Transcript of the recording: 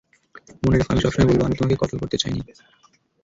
মনে রেখ, আমি সব সময় বলব, আমি তোমাকে কতল করতে চাইনি।